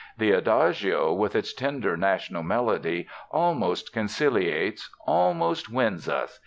"The Adagio, with its tender national melody, almost conciliates, almost wins us.